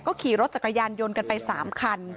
ขี่รถจักรยานยนต์กันไป๓คัน